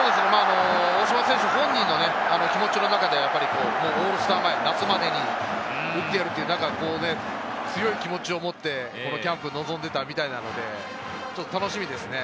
大島選手本人の気持ちの中で、オールスター前、夏までに打ってやるという強い気持ちを持ってこのキャンプに臨んでいたみたいなので、ちょっと楽しみですね。